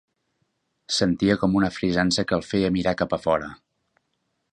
Sentia com una frisança que el feia mirar cap a fora